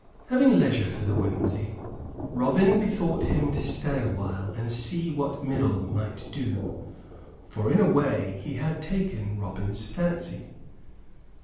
Having leisure for the whimsey, Robin bethought him to stay awhile and see what Middle might do, for in a way he had taken Robin's fancy.